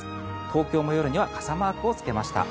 東京も夜には傘マークをつけました。